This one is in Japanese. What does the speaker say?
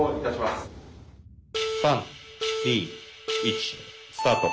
３２１スタート。